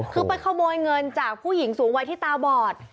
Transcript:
คือไปขโมยเงินจากผู้หญิงสูงวัยที่ตาบอด